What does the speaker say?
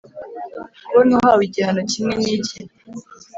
kubona uhawe igihano kimwe n’icye?